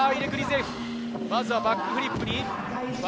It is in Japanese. まずはバックフリップ。